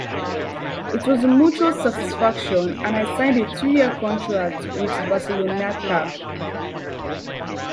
It is a mutual satisfaction and I signed a two-year contract with Barceloneta.